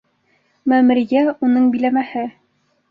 Мәмерйә - уның биләмәһе.